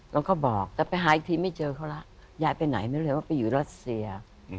เขาก็บอกแต่ไปหาอีกทีไม่เจอเขาแล้วยายไปไหนไม่รู้เลยว่าไปอยู่รัสเซีย